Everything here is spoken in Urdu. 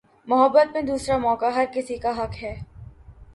محبت میں دوسرا موقع ہر کسی کا حق ہے